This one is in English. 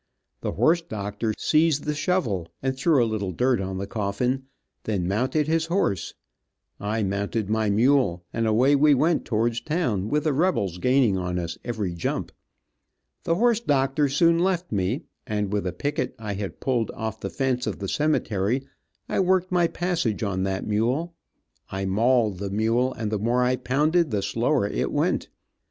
The horse doctor seized the shovel and threw a little dirt on the coffin, then mounted his horse, I mounted my mule, and away we went towards town, with the rebels gaining on us every jump. The horse doctor soon left me, and with a picket I had pulled off the fence of the cemetery, I worked my passage on that mule. I mauled the mule, and the more I pounded the slower it went.